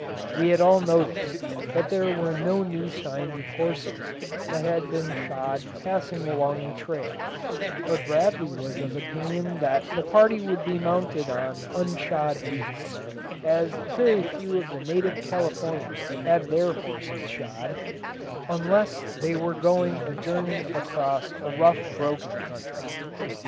We had all noticed that there were no new signs of horses that had been shod passing along the trail, but Bradley was of opinion that the party would be mounted on unshod beasts, as very few of the native Californians had their horses shod, unless they were going a journey across a rough broken country.